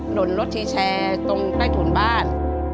หล่นรถทีแชร์ตรงใต้ถุนบ้าน